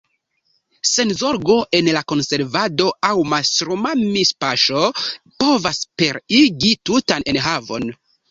Senzorgo en la konservado aŭ mastruma mispaŝo povas pereigi tutan enhavon.